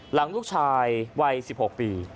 หลังลูกชายวัย๑๖ปี